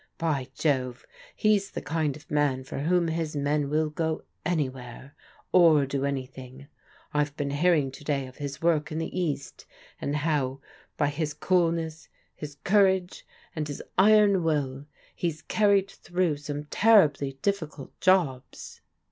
By Jove, he's the kind of man for whom his men will go anywhere, or do anything. I've been hear ing to day of his work in the East, and how by his cool ness, his courage, and his iron will he's carried through some terribly difficult jobs."